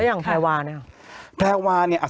แล้วอย่างแพร่วาเนี่ย